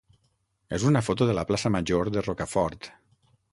és una foto de la plaça major de Rocafort.